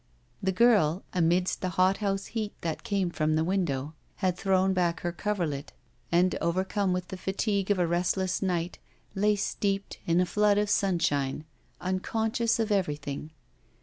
The girl, amidst the hot house heat that came from the window, had thrown back her coverlet, and, overcome with the fatigue of a restless night, lay steeped in a flood of sunshine, unconscious of everything.